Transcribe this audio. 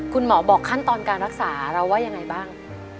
คุณหมอบอกขั้นตอนการรักษาเราว่ายังไงบ้าง